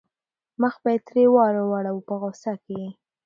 مخ به یې ترې واړاوه په غوسه کې.